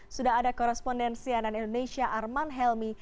sudah ada korespondensi anan indonesia arman helmi